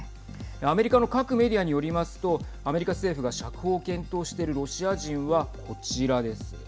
アメリカの各メディアによりますとアメリカ政府が釈放を検討しているロシア人はこちらです。